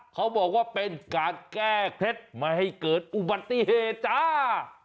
เขาบอกว่าเป็นการแก้เคล็ดไม่ให้เกิดอุบัติเหตุจ้า